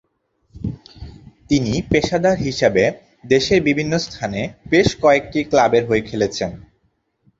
তিনি পেশাদার হিসাবে দেশের বিভিন্ন স্থানে বেশ কয়েকটি ক্লাবের হয়ে খেলেছেন।